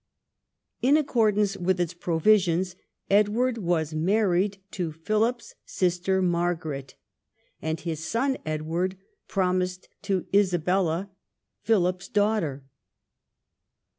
In accordance with its provisions Edwai'd was married to Philip's sister Margaret, and his son Edward promised to Isabella, Philip's daughter.